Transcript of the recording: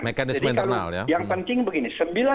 jadi kalau yang penting begini